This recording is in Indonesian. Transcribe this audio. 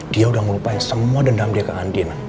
dia udah ngelupain semua dendam dia ke andin